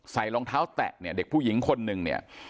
ใส่รองเท้าแตะเด็กผู้หญิงคนหนึ่ง